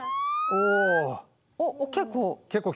おっ結構。